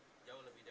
terus kalau gitu ya